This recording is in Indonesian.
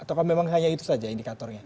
atau memang hanya itu saja indikatornya